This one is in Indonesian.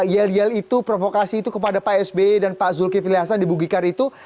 yel yel itu provokasi itu kepada pak sby dan pak zulkifli hasan di bugikar itu